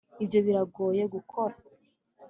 ibyo biragoye gukora